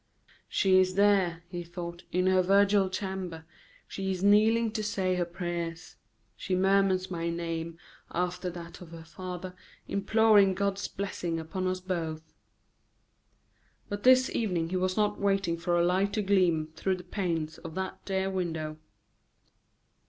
"She is there," he thought, "in her virgin chamber. She is kneeling to say her prayers. She murmurs my name after that of her father, imploring God's blessing upon us both." But this evening he was not waiting for a light to gleam through the panes of that dear window.